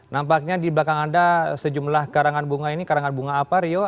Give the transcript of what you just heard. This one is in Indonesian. nampaknya di belakang anda sejumlah karangan bunga ini karangan bunga apa rio